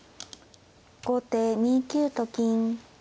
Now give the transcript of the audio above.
後手２九と金。